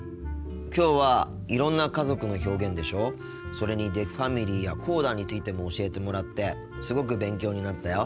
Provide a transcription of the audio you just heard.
きょうはいろんな家族の表現でしょそれにデフファミリーやコーダについても教えてもらってすごく勉強になったよ。